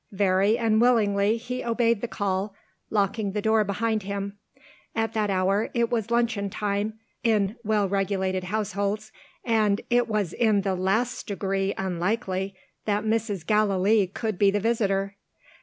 Very unwillingly he obeyed the call, locking the door behind him. At that hour it was luncheon time in well regulated households, and it was in the last degree unlikely that Mrs. Gallilee could be the visitor.